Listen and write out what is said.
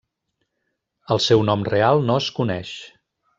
El seu nom real no es coneix.